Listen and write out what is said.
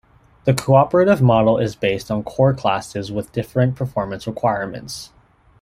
The cooperative model is based on core classes with different performance requirements.